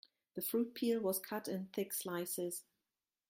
The fruit peel was cut in thick slices.